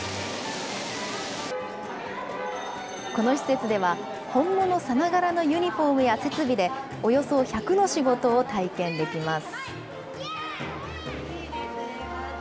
この施設では、本物さながらのユニホームや設備でおよそ１００の仕事を体験できます。